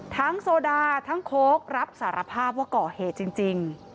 โซดาทั้งโค้กรับสารภาพว่าก่อเหตุจริง